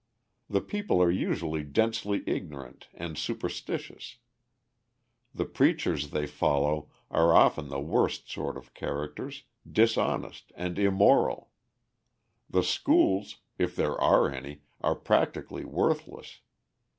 The people are usually densely ignorant and superstitious; the preachers they follow are often the worst sort of characters, dishonest and immoral; the schools, if there are any, are practically worthless.